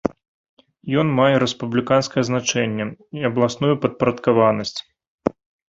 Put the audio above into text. Ён мае рэспубліканскае значэнне і абласную падпарадкаванасць.